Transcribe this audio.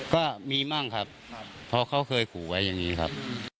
ก็มีมั่งครับเพราะเขาเคยขู่ไว้อย่างนี้ครับ